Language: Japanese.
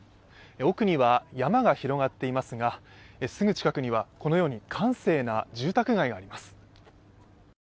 奥には山が広がっていますが、すぐ近くにはこのように閑静な住宅街があります。